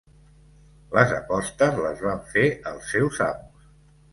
Les apostes les van fer els seus amos.